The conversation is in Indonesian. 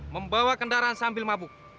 membawa kendaraan sambil mabuk